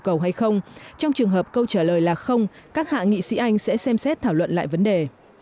cầu hay không trong trường hợp câu trả lời là không các hạ nghị sĩ anh sẽ xem xét thảo luận lại vấn đề